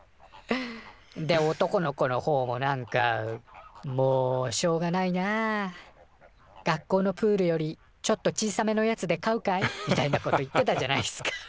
で男の子のほうもなんか「もうしょうがないな。学校のプールよりちょっと小さめのやつで飼うかい？」みたいなこと言ってたじゃないっすか。